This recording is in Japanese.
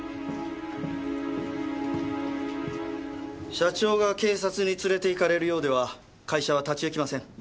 社長が警察に連れて行かれるようでは会社は立ち行きません。